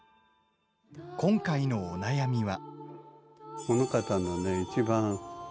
今回のお悩みは。